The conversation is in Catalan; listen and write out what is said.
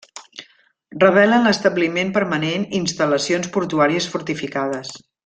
Revelen l'establiment permanent i instal·lacions portuàries fortificades.